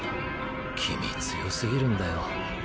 君強すぎるんだよ。